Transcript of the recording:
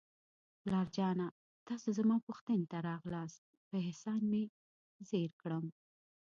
پلار جانه، تاسو زما پوښتنې ته راغلاست، په احسان مې زیر کړم.